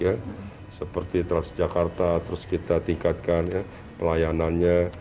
ya seperti transjakarta terus kita tingkatkan pelayanannya